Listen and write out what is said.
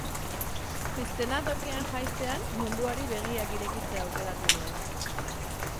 Eszenatokian jaistean munduari begiak irekitzea aukeratu nuen.